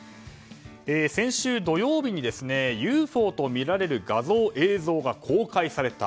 先週土曜日にＵＦＯとみられる画像・映像が公開された。